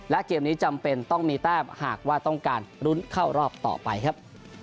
และเกมนี้จำเป็นต้องมีแต้มหากว่าต้องการรุ้นเข้ารอบต่อไปครับ